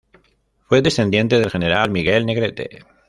Fue descendiente del general Miguel Negrete.